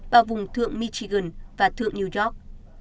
và vùng thượng michigan và thượng new york